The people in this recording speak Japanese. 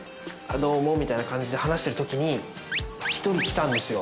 みたいな感じで話してる時に１人来たんですよ